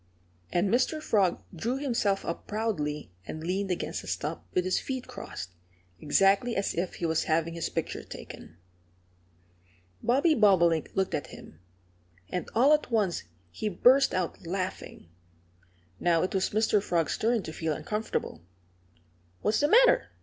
And Mr. Frog drew himself up proudly and leaned against a stump, with his feet crossed, exactly as if he was having his picture taken. Bobby Bobolink looked at him. And all at once he burst out laughing. Now it was Mr. Frog's turn to feel uncomfortable. "What's the matter?"